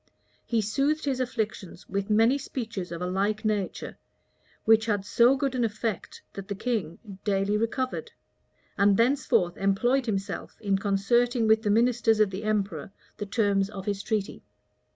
He soothed his afflictions with many speeches of a like nature, which had so good an effect that the king daily recovered;[*] and thenceforth employed himself in concerting with the ministers of the emperor the terms of his treaty.